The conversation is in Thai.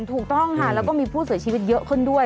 ถูกต้องค่ะแล้วก็มีผู้เสียชีวิตเยอะขึ้นด้วย